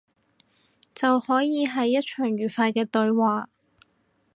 就可以係一場愉快嘅對話